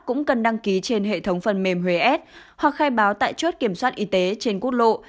cũng cần đăng ký trên hệ thống phần mềm huế s hoặc khai báo tại chốt kiểm soát y tế trên quốc lộ